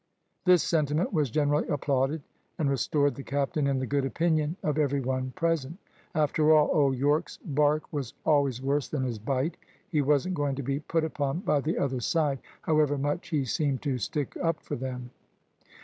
This sentiment was generally applauded, and restored the captain in the good opinion of every one present. After all, old Yorke's bark was always worse than his bite. He wasn't going to be put upon by the other side, however much he seemed to stick up for them.